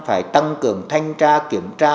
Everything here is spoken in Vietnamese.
phải tăng cường thanh tra kiểm tra